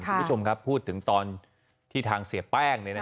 คุณผู้ชมครับพูดถึงตอนที่ทางเสียแป้ง